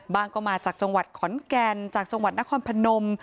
ก็มาจากจังหวัดขอนแก่นจากจังหวัดนครพนม